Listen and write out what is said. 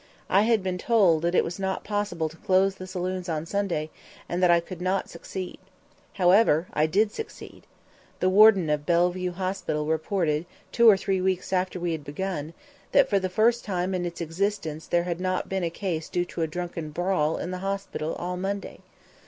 I had been told that it was not possible to close the saloons on Sunday and that I could not succeed. However, I did succeed. The warden of Bellevue Hospital reported, two or three weeks after we had begun, that for the first time in its existence there had not been a case due to a drunken brawl in the hospital all Monday.